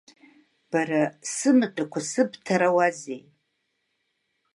Бара, сымаҭәақәа сыбҭарауазеи!